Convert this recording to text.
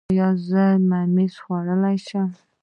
ایا زه ممیز خوړلی شم؟